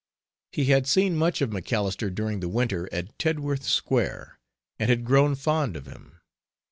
He had seen much of MacAlister during the winter at Tedworth Square, and had grown fond of him.